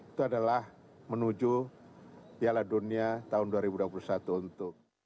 itu adalah menuju piala dunia tahun dua ribu dua puluh satu untuk